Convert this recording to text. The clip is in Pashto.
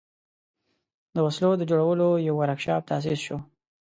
د وسلو د جوړولو یو ورکشاپ تأسیس شو.